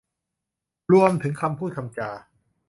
รวมถึงคำพูดคำจา